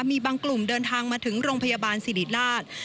มีบางกลุ่มเดินทางมาถึงโรงพยาบาลสิริราช